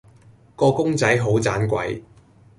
個公仔好盞鬼